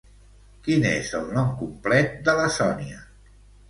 Quin és el nom complet de la Sonia?